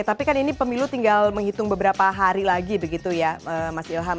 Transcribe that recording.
tapi kan ini pemilu tinggal menghitung beberapa hari lagi begitu ya mas ilham